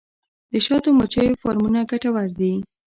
د شاتو مچیو فارمونه ګټور دي